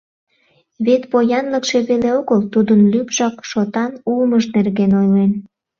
Вет поянлыкше веле огыл, тудын лӱмжак шотан улмыж нерген ойлен.